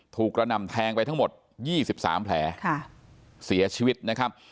กระหน่ำแทงไปทั้งหมด๒๓แผลเสียชีวิตนะครับ